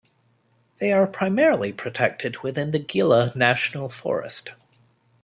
They are primarily protected within the Gila National Forest.